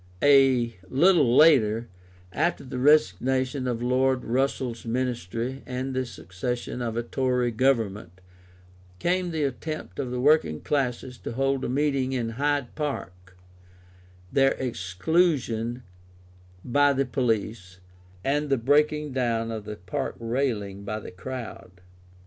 A little later, after the resignation of Lord Russell's Ministry and the succession of a Tory Government, came the attempt of the working classes to hold a meeting in Hyde Park, their exclusion by the police, and the breaking down of the park railing by the crowd.